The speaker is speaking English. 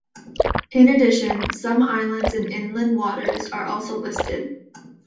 In addition, some islands in inland waters are also listed.